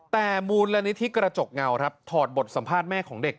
แต่มูลนิธิกระจกเงาครับถอดบทสัมภาษณ์แม่ของเด็ก